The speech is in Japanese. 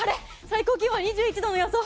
最高気温は２１度の予想。